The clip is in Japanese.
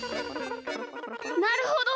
なるほど！